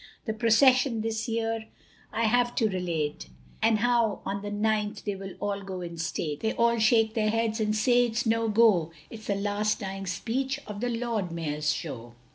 The procession this year I have to relate, And how on the ninth they will all go in state. They all shake their heads and say it's no go, It's the last dying speech of the Lord Mayor's Show.